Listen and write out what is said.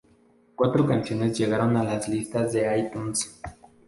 Cuatro canciones llegaron a las listas de iTunes.